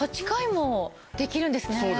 ８回もできるんですね。